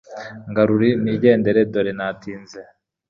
Ngaruri nigendere dore natinze